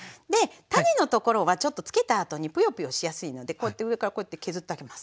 種のところはちょっと漬けたあとにプヨプヨしやすいのでこうやって上からこうやって削ってあげます。